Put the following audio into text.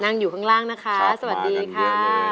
นั่งอยู่ข้างล่างนะคะสวัสดีค่ะ